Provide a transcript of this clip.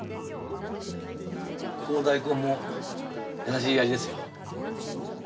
ここの大根も優しい味ですよ。